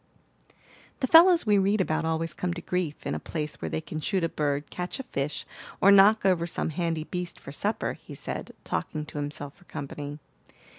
"The fellows we read about always come to grief in a place where they can shoot a bird, catch a fish, or knock over some handy beast for supper," he said, talking to himself for company.